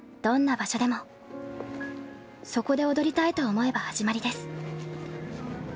どんな場所でもそこで踊りたいと思えば始まりです。